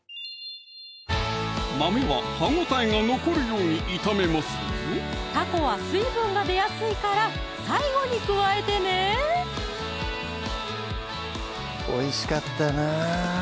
豆は歯ごたえが残るように炒めますぞたこは水分が出やすいから最後に加えてねおいしかったな